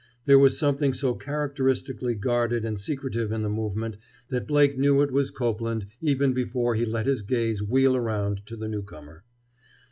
There was something so characteristically guarded and secretive in the movement that Blake knew it was Copeland even before he let his gaze wheel around to the newcomer.